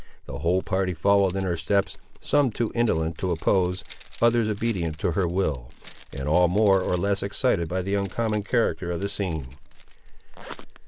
The whole party followed in her steps, some too indolent to oppose, others obedient to her will, and all more or less excited by the uncommon character of the scene.